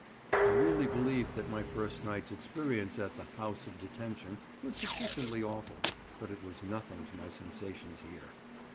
I really believed that my first night's experience at the "House of Detention" was sufficiently awful, but it was nothing to my sensations here.